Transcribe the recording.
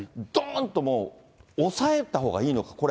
どーんともう抑えたほうがいいのか。